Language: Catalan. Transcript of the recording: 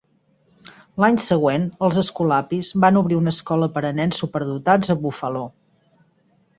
L'any següent, els Escolapis van obrir una escola per a nens superdotats a Buffalo.